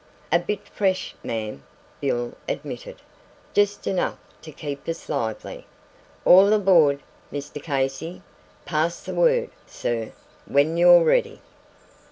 "A bit fresh, ma'am," Bill admitted; "just enough to keep us lively. All aboard, Mr Casey? Pass the word, sir, when you're ready."